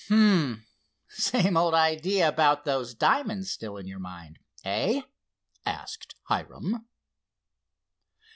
"Hum! same old idea about those diamonds still in your mind; eh?" asked Hiram.